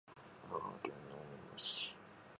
青森県野辺地町